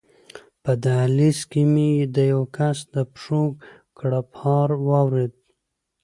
په دهلېز کې مې د یوه کس د پښو کړپهار واورېد.